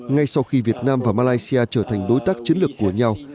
ngay sau khi việt nam và malaysia trở thành đối tác chiến lược của nhau